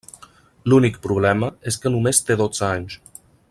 L'únic problema és que només té dotze anys.